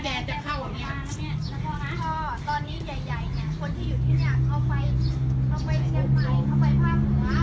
เดี๋ยวก็ลงมาเดี๋ยวก็ลงมาเดี๋ยวไปแล้วเดี๋ยวไปแล้ว